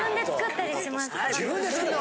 自分で作るの？